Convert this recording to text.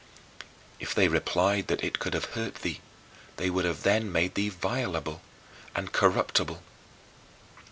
If they replied that it could have hurt thee, they would then have made thee violable and corruptible.